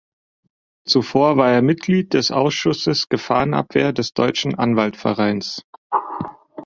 Zuvor war er Mitglied des Ausschusses Gefahrenabwehr des Deutschen Anwaltvereins.